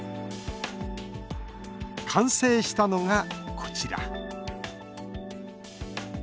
完成したのが、こちら。